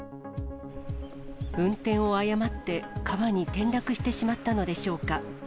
運転を誤って川に転落してしまったのでしょうか。